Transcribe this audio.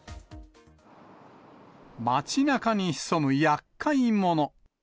街なかに潜むやっかい者。